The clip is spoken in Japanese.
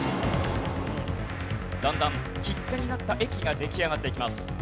だんだん切手になった駅が出来上がっていきます。